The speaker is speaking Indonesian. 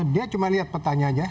dia cuma lihat pertanyaannya